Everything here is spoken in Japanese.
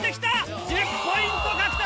１０ポイント獲得！